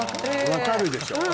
分かるでしょ？